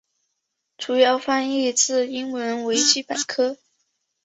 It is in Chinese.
主要翻译自英文维基百科。